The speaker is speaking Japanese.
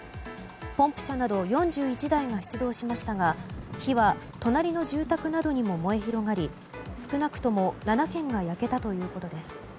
ポンプ車など４１台が出動しましたが火は隣の住宅などにも燃え広がり少なくとも７軒が焼けたということです。